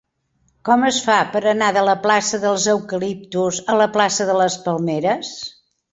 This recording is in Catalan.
Com es fa per anar de la plaça dels Eucaliptus a la plaça de les Palmeres?